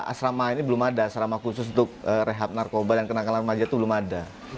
asrama ini belum ada selama khusus untuk rehab narkoba yang kenakan larmajah itu belum ada